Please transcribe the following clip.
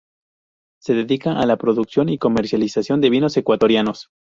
Se dedica a la producción y comercialización de vinos ecuatorianos.